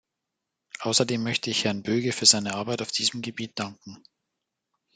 Außerdem möchte ich Herrn Böge für seine Arbeit auf diesem Gebiet danken.